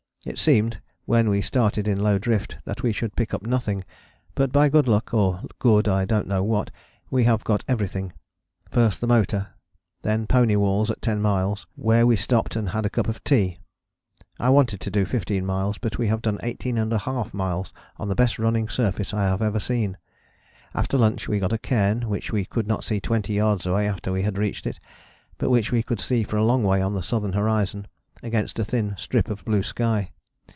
It seemed, when we started in low drift, that we should pick up nothing, but by good luck, or good I don't know what, we have got everything: first the motor, then pony walls at 10 miles, where we stopped and had a cup of tea. I wanted to do 15 miles, but we have done 18½ miles on the best running surface I have ever seen. After lunch we got a cairn which we could not see twenty yards away after we had reached it, but which we could see for a long way on the southern horizon, against a thin strip of blue sky.